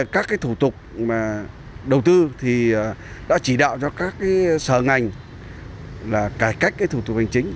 các thủ tục đầu tư thì đã chỉ đạo cho các sở ngành cải cách thủ tục hành chính